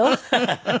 ハハハ。